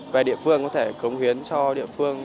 về địa phương có thể cống hiến cho địa phương